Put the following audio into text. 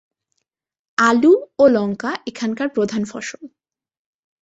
আলু ও লঙ্কা এখানকার প্রধান ফসল।